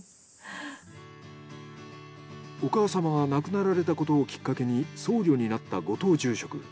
お母さまが亡くなられたことをきっかけに僧侶になった後藤住職。